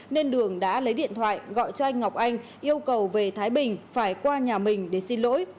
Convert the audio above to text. nên đường đã lấy điện thoại gọi cho anh ngọc anh yêu cầu về thái bình phải qua nhà mình để xin lỗi